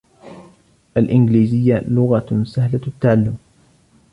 الإنجليزية لغة سهلة التعلم.